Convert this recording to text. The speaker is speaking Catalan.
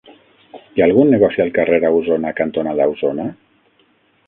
Hi ha algun negoci al carrer Ausona cantonada Ausona?